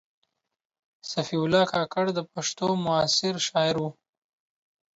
صفي الله کاکړ د پښتو معاصر شاعر و.